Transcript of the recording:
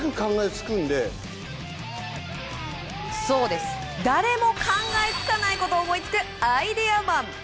そうです誰も考えつかないことを思いつくアイデアマン。